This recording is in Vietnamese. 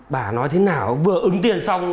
bà nói thế nào vừa ứng tiền xong